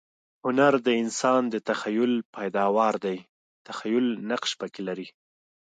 هنر د انسان د تخییل پیداوار دئ. تخییل نقش پکښي لري.